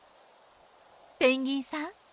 ペンギンさん